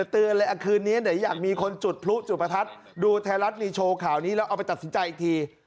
ตื่นเลยคืนนี้หรืออยากมีคนจุดพลุกจุดประทัดดูแทรฟรัสมีโชว์ขาวนี้แล้วเอามาจัดสินใจอีกที